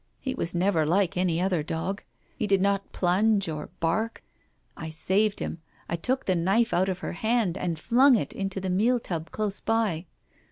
He was never like any other dog. He did not plunge or bark. I saved him, I took the knife out of her hand, and flung it into a meal tub close by.